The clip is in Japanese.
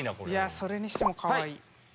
それにしてもかわいい。